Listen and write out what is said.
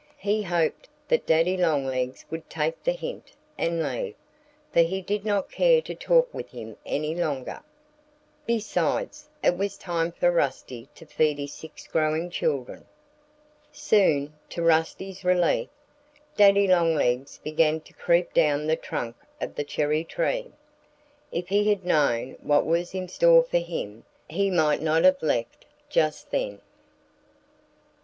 He hoped that Daddy Longlegs would take the hint and leave, for he did not care to talk with him any longer. Besides, it was time for Rusty to feed his six growing children. Soon, to Rusty's relief, Daddy Longlegs began to creep down the trunk of the cherry tree. If he had known what was in store for him he might not have left just then.